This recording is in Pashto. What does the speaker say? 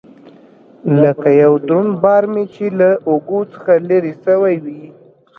لکه يو دروند بار مې چې له اوږو څخه لرې سوى وي.